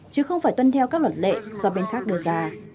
chứ không phải tuân theo các luật lệ do bên khác đưa ra